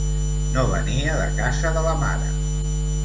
No venia de casa de la mare!